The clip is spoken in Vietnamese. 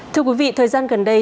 thưa quý vị thời gian gần đây